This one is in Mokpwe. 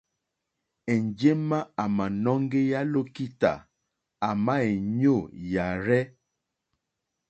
Enjema a nɔ̀ŋgeya lokità, àma è nyoò yàrzɛ.